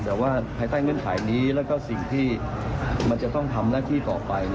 แต่ว่าภายใต้เงื่อนไขนี้แล้วก็สิ่งที่มันจะต้องทำหน้าที่ต่อไป